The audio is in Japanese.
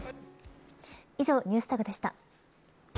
以上、ＮｅｗｓＴａｇでした。